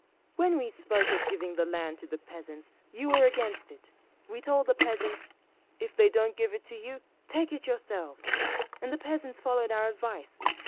"When we spoke of giving the land to the peasants, you were against it. We told the peasants, 'If they don't give it to you, take it yourselves!' and the peasants followed our advice.